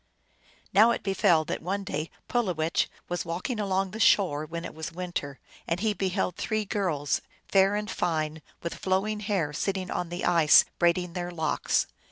Now it befell that one day Pulowech was walking along the shore, when it was winter, and he beheld three girls, fair and fine, with flowing hair, sitting on the ice braiding their locks.